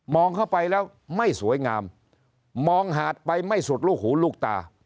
เข้าไปแล้วไม่สวยงามมองหาดไปไม่สุดลูกหูลูกตา